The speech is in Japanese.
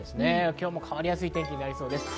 今日も変わりやすい天気になりそうです。